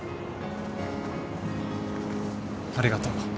ありがとう。